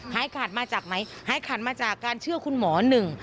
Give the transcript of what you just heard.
ขาดมาจากไหนหายขาดมาจากการเชื่อคุณหมอหนึ่ง